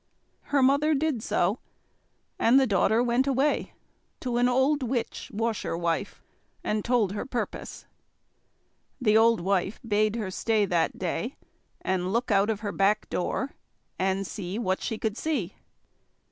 Her mother did so; and the daughter went away to an old witch washerwife and told her purpose. The old wife bade her stay that day, and look out of her back door, and see what she could see.